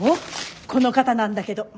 この方なんだけど。